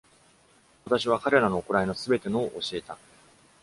私は彼らの行いのすべてのを教えた。